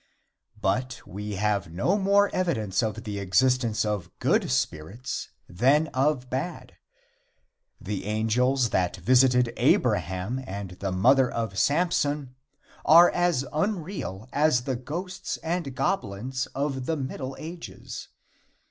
But we have no more evidence of the existence of good spirits than of bad. The angels that visited Abraham and the mother of Samson are as unreal as the ghosts and goblins of the Middle Ages.